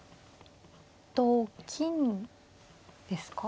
同金ですか？